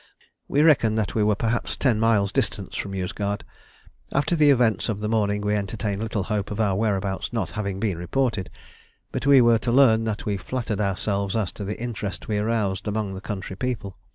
We reckoned that we were perhaps ten miles' distance from Yozgad. After the events of the morning we entertained little hope of our whereabouts not having been reported, but we were to learn that we flattered ourselves as to the interest we aroused among the country people.